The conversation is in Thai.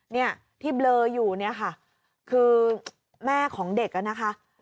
เนี่ยที่เบลออยู่เนี่ยค่ะคือแม่ของเด็กอ่ะนะคะ